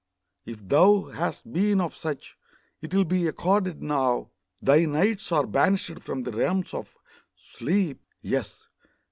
if thou Hast been of such, 'twill be accorded now. Thy nights are banished from the realms of sleep: Yes!